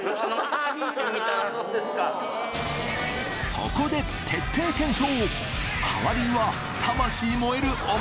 そこで徹底検証！